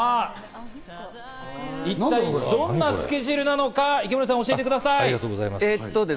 一体どんなつけ汁なのか、池森さん教えてください。